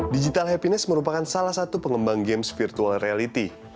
digital happiness merupakan salah satu pengembang games virtual reality